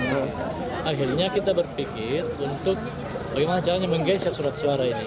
akhirnya kita berpikir untuk bagaimana caranya menggeser surat suara ini